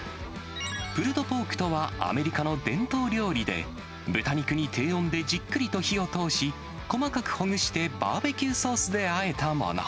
プルドポークとは、アメリカの伝統料理で、豚肉に低温でじっくりと火を通し、細かくほぐしてバーベキューソースであえたもの。